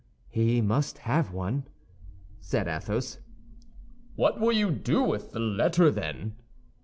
"He must have one," said Athos. "What will you do with the letter, then?"